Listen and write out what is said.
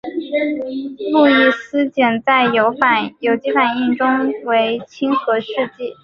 路易斯碱在有机反应中为亲核试剂。